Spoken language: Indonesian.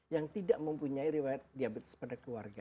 yang tidak mempunyai riwayat diabetes pada keluarga